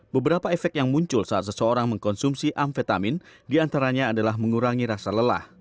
beberapa efek yang muncul saat seseorang mengkonsumsi amfetamin diantaranya adalah mengurangi rasa lelah